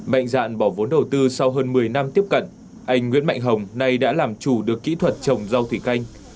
mạnh dạn bỏ vốn đầu tư sau hơn một mươi năm tiếp cận anh nguyễn mạnh hồng nay đã làm chủ được kỹ thuật trồng rau thủy canh